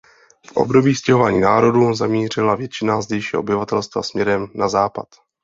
V období stěhování národů zamířila většina zdejšího obyvatelstvo směrem na západ.